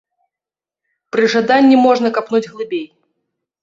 Пры жаданні можна капнуць глыбей.